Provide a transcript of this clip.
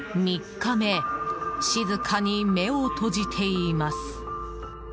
３日目、静かに目を閉じています。